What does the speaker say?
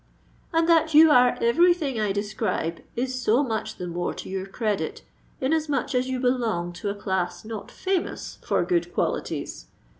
"And that you are every thing I describe is so much the more to your credit, inasmuch as you belong to a class not famous for good qualities.